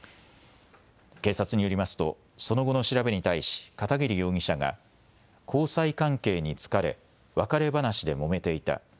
警察によりますとその後の調べに対し片桐容疑者が交際関係に疲れ別れ話でもめていた。